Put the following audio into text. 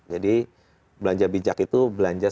jadi belanja bijak itu belanja